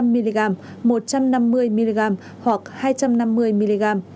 một trăm linh mg một trăm năm mươi mg hoặc hai trăm năm mươi mg